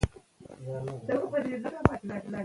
ایا د مهاراجا او امیرانو اړیکي به پاتې وي؟